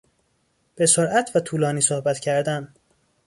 به سرعت و طولانی صحبت کردن